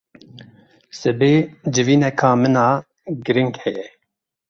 Sibê civîneka min a giring heye.